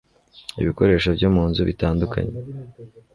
ibikoresho byo mu nzu bitandukanye